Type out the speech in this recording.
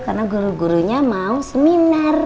karena guru gurunya mau seminar